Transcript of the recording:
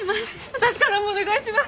私からもお願いします！